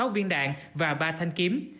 sáu viên đạn và ba thanh kiếm